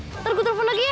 bentar gue telepon lagi ya